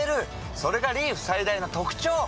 それがリーフ最大の特長！